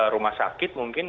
rumah sakit mungkin